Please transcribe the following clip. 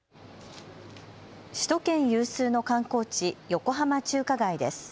首都圏有数の観光地、横浜中華街です。